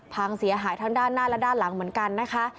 พังเสียหายทั้งด้านหน้าและด้านหลังเหมือนกันนะคะ